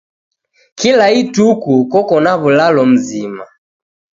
Kila ituku koko na w'ulalo mzima.